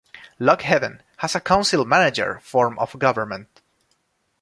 Lock Haven has a council-manager form of government.